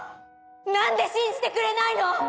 何で信じてくれないの！